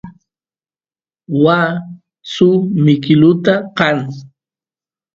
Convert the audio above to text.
waa suk mikiluta qaan